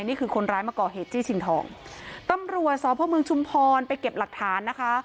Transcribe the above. นี่คือคนร้ายมาก่อเหตุจี้ชิงทองตำรวจสพเมืองชุมพรไปเก็บหลักฐานนะคะ